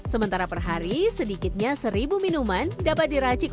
sementara per hari sedikitnya seribu minuman dapat diracik